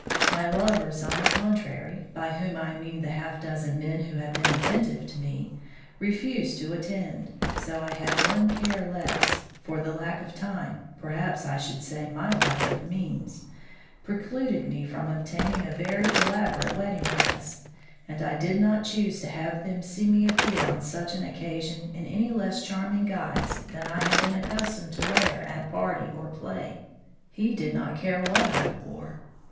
My lovers on the contrary by whom I mean the half dozen men who had been attentive to me refused to attend, so I had one care less; for the lack of time perhaps I should say my lack of means precluded me from obtaining a very elaborate wedding dress, and I did not choose to have them see me appear on such an occasion in any less charming guise than I had been accustomed to wear at party or play. He did not care what I wore.